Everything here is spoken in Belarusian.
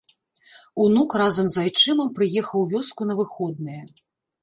Унук разам з айчымам прыехаў у вёску на выходныя.